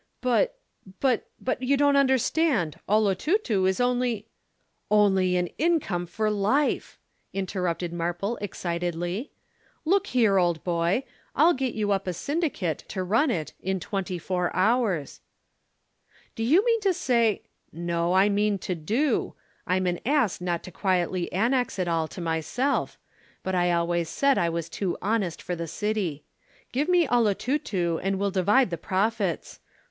"'"But but but you don't understand. 'Olotutu' is only " "'"Only an income for life," interrupted Marple excitedly. "Look here, old boy, I'll get you up a syndicate to run it in twenty four hours." "'"Do you mean to say ?" "'"No, I mean to do. I'm an ass not to quietly annex it all to myself, but I always said I was too honest for the City. Give me 'Olotutu' and we'll divide the profits.